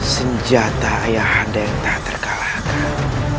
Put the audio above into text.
senjata ayah anda yang tak terkalahkan